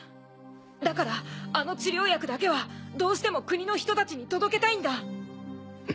だからあの治療薬だけはどうしても国の人たちに届けたいんだ。